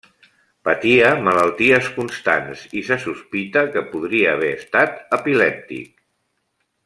Patia malalties constants i se sospita que podria haver estat epilèptic.